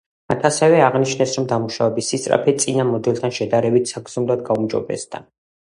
მათ ასევე აღნიშნეს, რომ დამუშავების სისწრაფე წინა მოდელთან შედარებით საგრძნობლად გაუმჯობესდა.